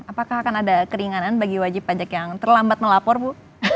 apakah akan ada keringanan bagi wajib pajak yang terlambat melapor bu